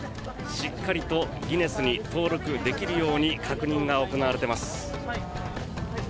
しっかりとギネスに登録できるように確認が行われています。